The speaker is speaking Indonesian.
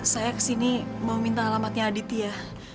saya kesini mau minta alamatnya aditya